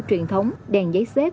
chú ch edge